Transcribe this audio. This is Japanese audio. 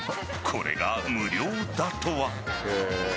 これが無料だとは。